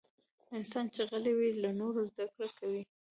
انسان چې غلی وي، له نورو زدکړه کوي.